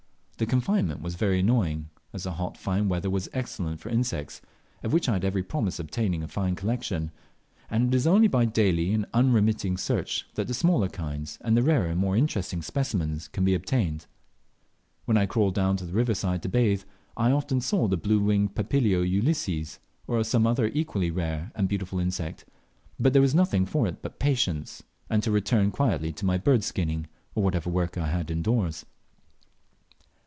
The confinement was very annoying, as the fine hot weather was excellent for insects, of which I had every promise of obtaining a fine collection; and it is only by daily and unremitting search that the smaller kinds, and the rarer and more interesting specimens, can be obtained. When I crawled down to the river side to bathe, I often saw the blue winged Papilio ulysses, or some other equally rare and beautiful insect; but there was nothing for it but patience, and to return quietly to my bird skinning, or whatever other work I had indoors.